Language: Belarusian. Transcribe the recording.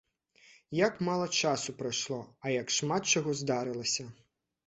Як мала часу прайшло, а як шмат чаго здарылася!